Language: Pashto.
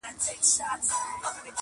نو بیا ولي ګیله من یې له اسمانه٫